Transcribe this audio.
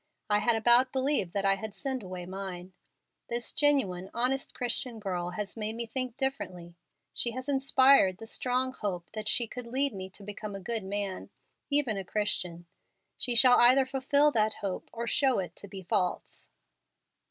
I had about believed that I had sinned away mine. This genuine, honest Christian girl has made me think differently. She has inspired the strong hope that she could lead me to become a good man even a Christian. She shall either fulfil that hope or show it to be false."